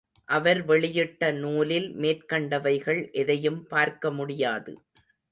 அவர் வெளியிட்ட நூலில் மேற்கண்டவைகள் எதையும் பார்க்க முடியாது.